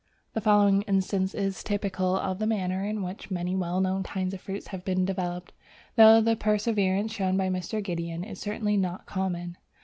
The following instance is typical of the manner in which many well known kinds of fruit have been developed, though the perseverance shown by Mr. Gideon is certainly not common.